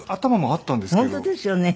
本当ですよね。